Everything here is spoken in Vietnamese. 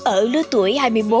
ở lứa tuổi hai mươi một hai mươi hai